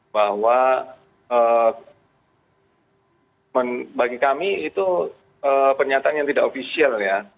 bahwa bagi kami itu pernyataan yang tidak official ya